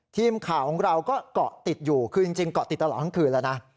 ทีมข่าวของเราก็เกาะติดอยู่คือจริงเกาะติดตลอดทั้งคืนแล้วนะ